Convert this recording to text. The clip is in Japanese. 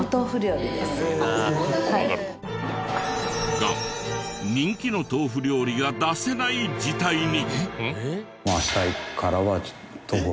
が人気の豆腐料理が出せない事態に！